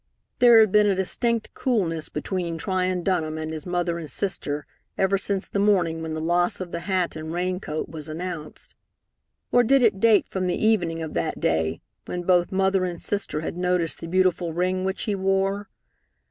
There had been a distinct coolness between Tryon Dunham and his mother and sister ever since the morning when the loss of the hat and rain coat was announced. Or did it date from the evening of that day when both mother and sister had noticed the beautiful ring which he wore?